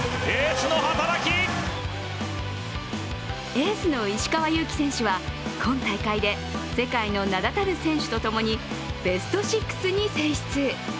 エースの石川祐希選手は今大会で世界の名だたる選手とともにベストシックスに選出。